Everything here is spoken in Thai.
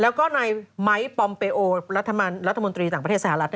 แล้วก็ในไม้ปอมเปโอรัฐมนตรีต่างประเทศสหรัฐ